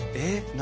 何？